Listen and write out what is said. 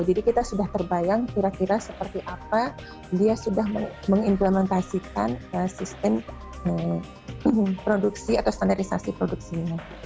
jadi kita sudah terbayang kira kira seperti apa dia sudah mengimplementasikan sistem produksi atau standarisasi produksinya